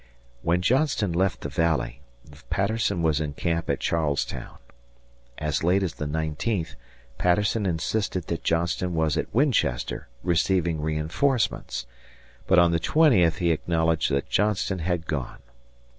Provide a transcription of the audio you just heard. When Johnston left the Valley, Patterson was in camp at Charles Town. As late as the nineteenth Patterson insisted that Johnston was at Winchester receiving reinforcements; but on the twentieth he acknowledged that Johnston had gone.